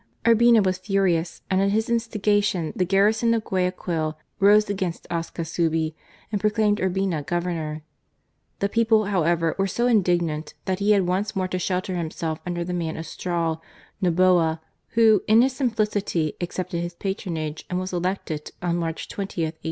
Urbina was furious, and at his instigation the garrison of Guaya quil rose against Ascasubi and proclaimed Urbina Governor. The people, however, were so indignant, that he had once more to shelter himself under the man of straw, Noboa, who, in his simplicity, accepted his patronage and was elected on March 20, 1850.